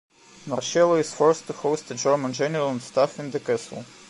Marcelo is forced to host a German general and staff in the castle.